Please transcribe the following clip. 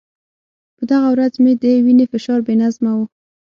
په دغه ورځ مې د وینې فشار بې نظمه و.